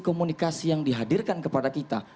komunikasi yang dihadirkan kepada kita